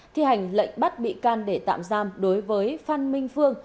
thi hành lệnh bắt bị can để tạm giam đối với phan minh phương